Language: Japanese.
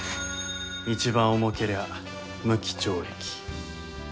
一番重けりゃ無期懲役。